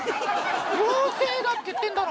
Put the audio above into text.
妖精だって言ってんだろ。